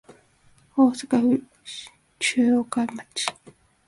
大阪府忠岡町